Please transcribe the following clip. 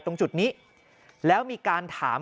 ตรงจุดนี้แล้วมีการถาม